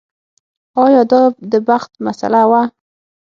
ایا دا د بخت مسئله وه.